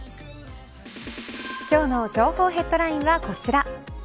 今日の情報ヘッドラインはこちら。